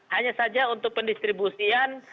hanya saja untuk pendistribusian